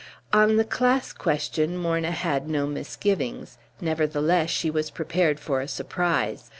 On the class question Morna had no misgivings; nevertheless, she was prepared for a surprise.